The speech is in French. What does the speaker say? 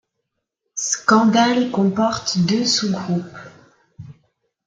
Scandal comporte deux sous groupes.